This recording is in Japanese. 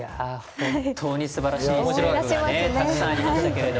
本当にすばらしいセーブがたくさんありましたが。